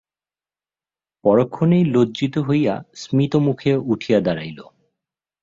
পরক্ষণেই লজ্জিত হইয়া স্মিতমুখে উঠিয়া দাঁড়াইল।